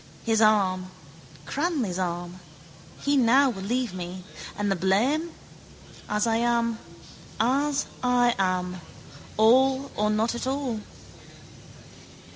His arm: Cranly's arm. He now will leave me. And the blame? As I am. As I am. All or not at all.